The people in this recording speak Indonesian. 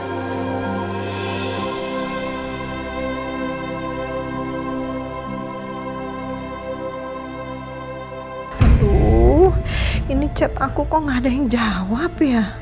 aduh ini chat aku kok gak ada yang jawab ya